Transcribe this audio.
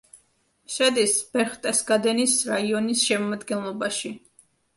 შედის ბერხტესგადენის რაიონის შემადგენლობაში.